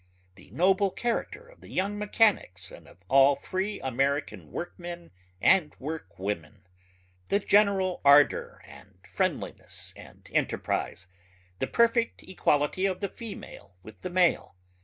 the noble character of the young mechanics and of all free American workmen and workwomen ... the general ardor and friendliness and enterprise the perfect equality of the female with the male